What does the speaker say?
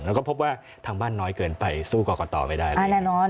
เราก็พบว่าทางบ้านน้อยเกินไปสู้ก่อต่อไม่ได้เลย